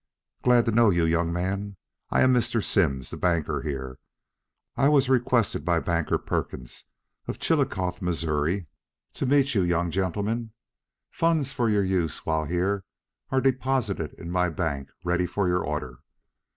"Glad to know you, young man. I am Mr. Simms the banker here. I was requested by banker Perkins of Chillicothe, Missouri, to meet you young gentlemen. Funds for your use while here are deposited in my bank ready for your order.